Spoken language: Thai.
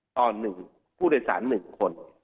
ต่อ๑ผู้โดยสาร๑คน